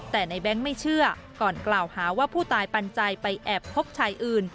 แต่ในแบงค์ไม่เชื่อก่อนกล่าวหาว่าผู้ตายปันใจไปแอบพบชายอื่น